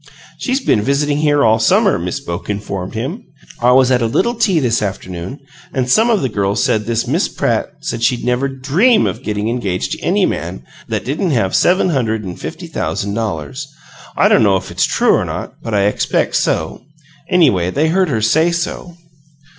"She's been visiting here all summer," Miss Boke informed him. "I was at a little tea this afternoon, and some of the girls said this Miss Pratt said she'd never DREAM of getting engaged to any man that didn't have seven hundred and fifty thousand dollars. I don't know if it's true or not, but I expect so. Anyway, they said they heard her say so."